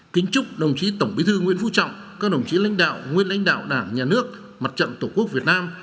kính chúc đồng chí tổng bí thư nguyễn phú trọng các đồng chí lãnh đạo nguyên lãnh đạo đảng nhà nước mặt trận tổ quốc việt nam